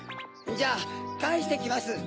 じゃあかえしてきます。